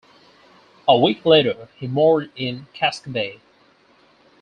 A week later she moored in Casco bay.